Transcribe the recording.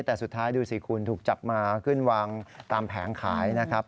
แต่สุดท้ายดูสิคุณถูกจับมาขึ้นวางตามแผงขายนะครับ